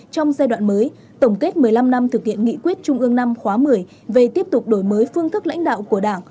trong giai đoạn mới tổng kết một mươi năm năm thực hiện nghị quyết trung ương năm khóa một mươi về tiếp tục đổi mới phương thức lãnh đạo của đảng